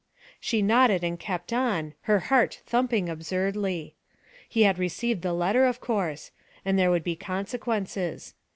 She nodded and kept on, her heart thumping absurdly. He had received the letter, of course; and there would be consequences.